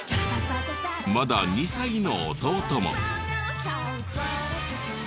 まだ２歳の弟も。